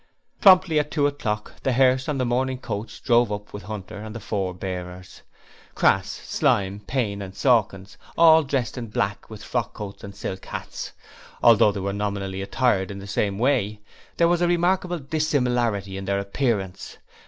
Promptly at two o'clock the hearse and the mourning coach drove up with Hunter and the four bearers Crass, Slyme, Payne and Sawkins, all dressed in black with frock coats and silk hats. Although they were nominally attired in the same way, there was a remarkable dissimilarity in their appearance.